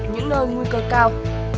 nguy cơ cao